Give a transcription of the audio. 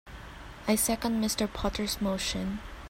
I second Mr. Potter's motion.